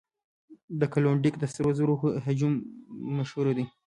د کلونډیک د سرو زرو هجوم مشهور دی.